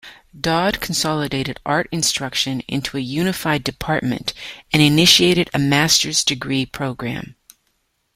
Dodd consolidated art instruction into a unified department and initiated a master's degree program.